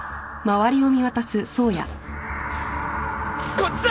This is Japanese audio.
こっちだ！